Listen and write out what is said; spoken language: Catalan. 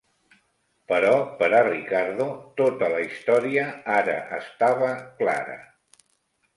Però per a Ricardo tota la història ara estava clara.